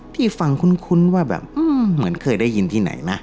ที่ฟังคุ้นว่าแบบเหมือนเคยได้ยินที่ไหนนะ